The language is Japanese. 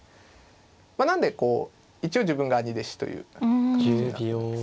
なんでこう一応自分が兄弟子という感じになってるわけですけど。